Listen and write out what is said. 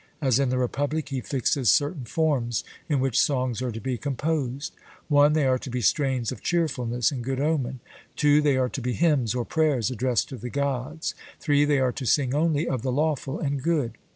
As in the Republic, he fixes certain forms in which songs are to be composed: (1) they are to be strains of cheerfulness and good omen; (2) they are to be hymns or prayers addressed to the Gods; (3) they are to sing only of the lawful and good.